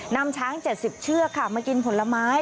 นำช้าง๗๐เชือกค่ะมากินผลไม้